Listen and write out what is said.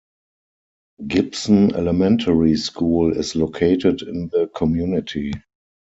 Gibson Elementary School is located in the community.